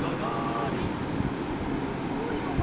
すっごいのばした。